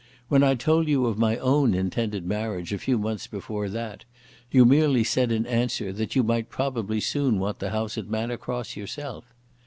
When I told you of my own intended marriage a few months before that, you merely said in answer that you might probably soon want the house at Manor Cross yourself.